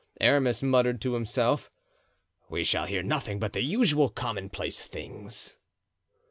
Aramis muttered to himself, "We shall hear nothing but the usual commonplace things."